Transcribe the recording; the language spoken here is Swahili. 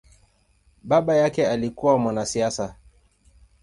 Baba yake alikua mwanasiasa.